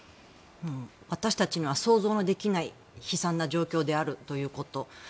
私たちには想像ができない悲惨な状況であるということ。